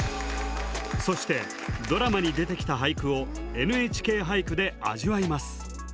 そしてドラマに出てきた俳句を「ＮＨＫ俳句」で味わいます。